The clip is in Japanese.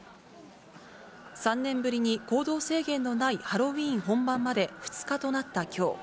３年ぶりに行動制限のないハロウィーン本番まで２日となったきょう。